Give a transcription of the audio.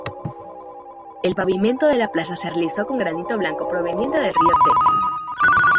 El pavimento de la plaza se realizó con granito blanco proveniente del río Tessin.